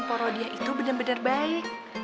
prodiya itu bener bener baik